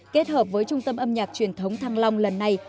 kết hợp với trung tâm âm nhạc truyền thống thăng long lần này